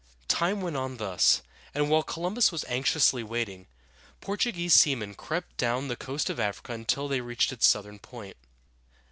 Time went on thus, and while Columbus was anxiously waiting, Portuguese seamen crept down the coast of Africa until they reached its southern point.